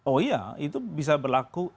oh iya itu bisa berlaku